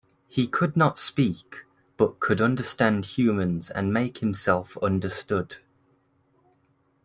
He could not speak, but could understand humans and make himself understood.